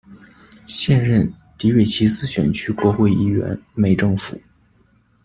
现任迪韦齐斯选区国会议员，梅政府。